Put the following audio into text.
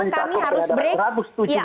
kami harus break